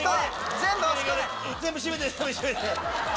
全部閉めて！